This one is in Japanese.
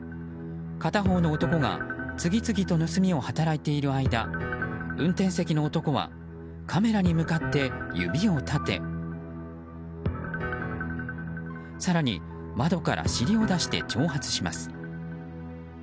片方の男が次々と盗みを働いている間運転席の男はカメラに向かって指を立て更に、窓から尻を出して挑発します。